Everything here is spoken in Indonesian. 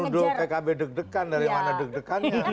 jangan duduk pkb deg degan dari mana deg dekannya